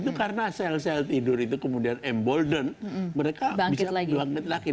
itu karena sel sel tidur itu kemudian emboldened mereka bisa bangkit lagi